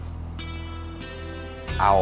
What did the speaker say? yang sekarang diter gta puah pas vuel